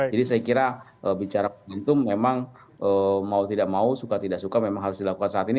jadi saya kira bicara momentum memang mau tidak mau suka tidak suka memang harus dilakukan saat ini